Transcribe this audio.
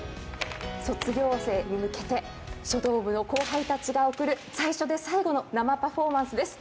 卒業生に向けて書道部の後輩たちが贈る最初で最後の生パフォーマンスです。